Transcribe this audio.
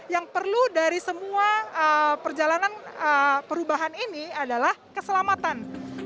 yang perlu dari semua perjalanan perubahan ini adalah keselamatan